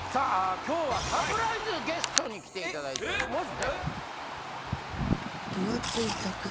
今日はサプライズゲストに来ていただいております。